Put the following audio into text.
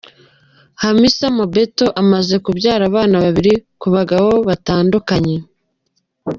Hamisa Mobetto amaze kubyara abana babiri ku bagabo batandukanye.